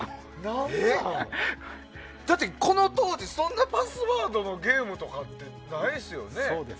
だってこの当時そんなパスワードのゲームとかってないですよね。